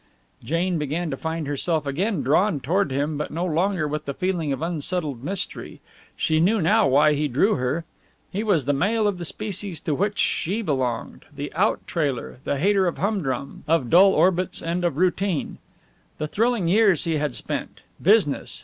Jane began to find herself again drawn toward him, but no longer with the feeling of unsettled mystery. She knew now why he drew her. He was the male of the species to which she belonged the out trailer, the hater of humdrum, of dull orbits and of routine. The thrilling years he had spent business!